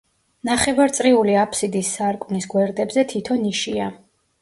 ნახევარწრიული აფსიდის სარკმლის გვერდებზე თითო ნიშია.